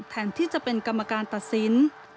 แทนที่จะเป็นกรรมการตัดสิน